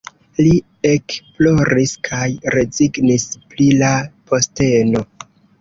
Li ekploris kaj rezignis pri la posteno.